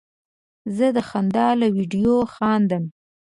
زه د خندا له ویډیو خندم.